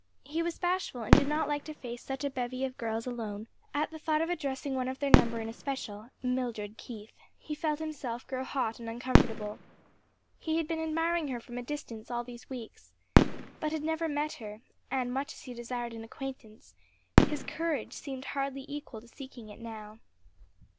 He was bashful and did not like to face such a bevy of girls alone; at the thought of addressing one of their number in especial Mildred Keith he felt himself grow hot and uncomfortable. He had been admiring her from a distance all these weeks, but had never met her, and much as he desired an acquaintance, his courage seemed hardly equal to seeking it now.